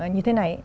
như thế này